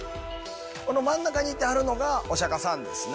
この真ん中にいてはるのがお釈迦さんですね。